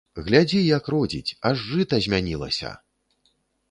Глядзі, як родзіць, аж жыта змянілася!